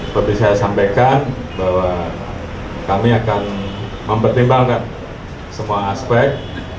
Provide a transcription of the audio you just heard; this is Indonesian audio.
seperti saya sampaikan bahwa kami akan mempertimbangkan semua aspek